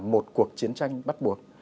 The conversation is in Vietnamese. một cuộc chiến tranh bắt buộc